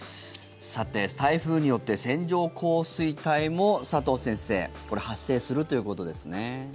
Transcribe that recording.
さて、台風によって線状降水帯も佐藤先生発生するということですね。